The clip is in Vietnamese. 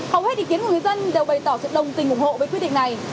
hầu hết ý kiến của người dân đều bày tỏ sự đồng tình ủng hộ với quy định này